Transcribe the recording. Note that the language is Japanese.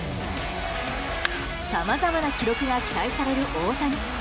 さまざまな記録が期待される大谷。